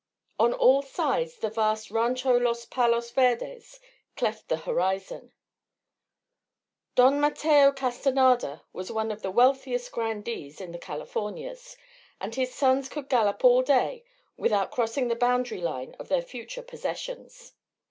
On all sides the vast Rancho Los Palos Verdes cleft the horizon: Don Mateo Castanada was one of the wealthiest grandees in the Californias, and his sons could gallop all day without crossing the boundary line of their future possessions.